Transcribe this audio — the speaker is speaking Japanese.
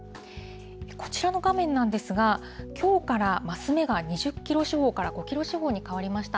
こちらの画面なんですが、きょうからマス目が２０キロ四方から５キロ四方に変わりました。